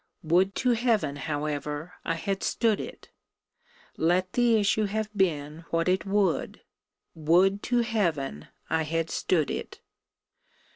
Would to Heaven, however, I had stood it let the issue have been what it would, would to Heaven I had stood it!